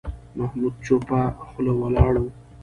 محمود چوپه خوله ولاړ و.